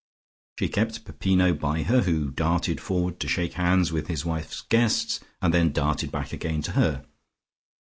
She kept Peppino by her, who darted forward to shake hands with his wife's guests, and then darted back again to her.